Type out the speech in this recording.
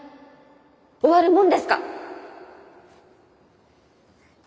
終わるもんですか！